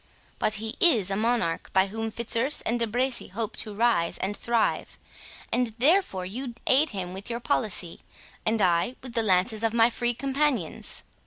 But he is a monarch by whom Fitzurse and De Bracy hope to rise and thrive; and therefore you aid him with your policy, and I with the lances of my Free Companions."